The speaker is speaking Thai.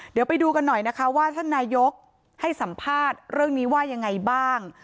เดี๋ยวไปดูกันหน่อยนะคะว่าท่านนายกให้สัมภาษณ์เรื่องนี้ว่ายังไงบ้าง